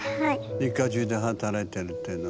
一家じゅうで働いてるっていうのは。